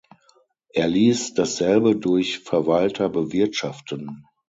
Er ließ dasselbe durch Verwalter bewirtschaften.